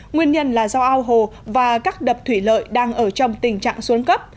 nguyên nhân là do ao hồ và các đập thủy lợi đang ở trong tình trạng xuống cấp